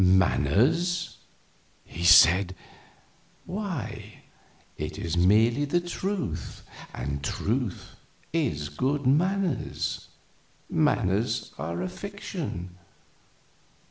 "Manners!" he said. "Why, it is merely the truth, and truth is good manners; manners are a fiction.